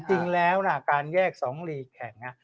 จริงแล้วการแยก๒ลีกแข่ง